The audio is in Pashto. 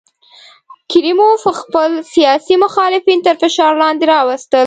کریموف خپل سیاسي مخالفین تر فشار لاندې راوستل.